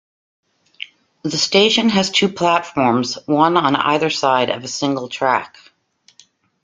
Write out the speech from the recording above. The station has two platforms, one on either side of a single track.